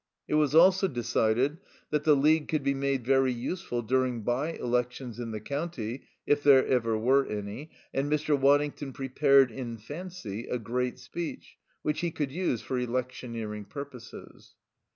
It was also decided that the League could be made very useful during by elections in the county, if there ever were any, and Mr. Waddington prepared in fancy a great speech which he could use for electioneering purposes.